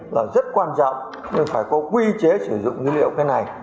là rất quan trọng nhưng phải có quy chế sử dụng dữ liệu cái này